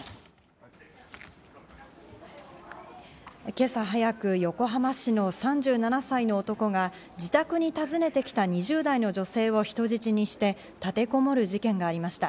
今朝早く横浜市の３７歳の男が自宅に訪ねてきた２０代の女性を人質にして立てこもる事件がありました。